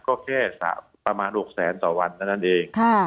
ก็แค่ประมาณหกแสนต่อวันนั้นเอง